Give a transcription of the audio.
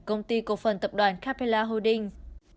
công ty cổ phân tập đoàn capella holdings